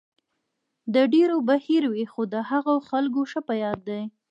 د ډېرو به هېر وي، خو د هغو خلکو ښه په یاد دی.